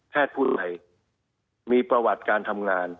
แพทย์ผู้ไขมีประวัติการทำงาน